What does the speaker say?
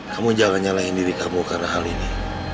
kamu jangan nyalahin diri kamu karena hal ini